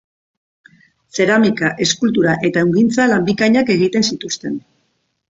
Zeramika-, eskultura- eta ehungintza-lan bikainak egiten zituzten.